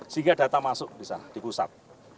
sehingga data masuk bisa di pusat